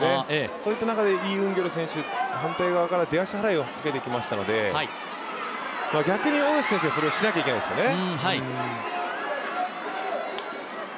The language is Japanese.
そういった中で、イ・ウンギョル選手、反対側から出足払いをかけてきましたので逆に大吉選手はそれをしないといけないですよね。